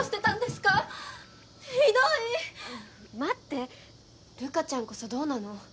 待って瑠夏ちゃんこそどうなの？